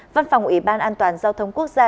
văn phòng ủy ban an toàn giao thông quốc gia